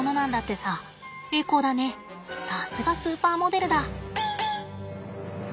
さすがスーパーモデルだ。